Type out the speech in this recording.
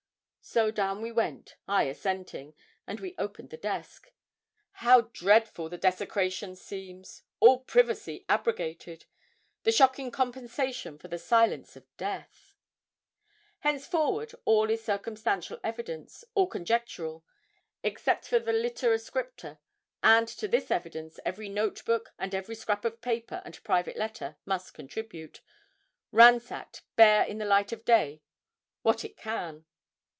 So down we went I assenting and we opened the desk. How dreadful the desecration seems all privacy abrogated the shocking compensation for the silence of death! Henceforward all is circumstantial evidence all conjectural except the litera scripta, and to this evidence every note book, and every scrap of paper and private letter, must contribute ransacked, bare in the light of day what it can.